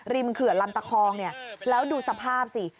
ริมเขือลำตะคองแล้วดูสภาพสิ